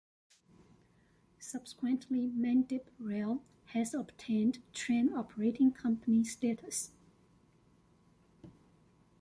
Subsequently Mendip Rail has obtained train operating company status.